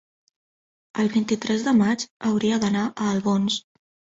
el vint-i-tres de maig hauria d'anar a Albons.